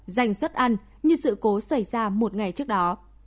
giành xuất ăn như sự cố xảy ra một ngày trước đó